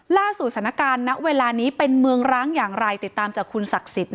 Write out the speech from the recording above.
ล่าสุดสถานการณ์ณเวลานี้เป็นเมืองร้างอย่างไรติดตามจากคุณศักดิ์สิทธิ์